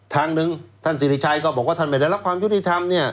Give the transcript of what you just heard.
ทางหนึ่งท่านสิริชัยก็บอกว่าท่านไม่ได้รับความยุติธรรมเนี่ย